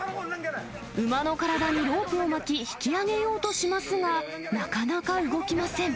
馬の体にロープを巻き、引き上げようとしますが、なかなか動きません。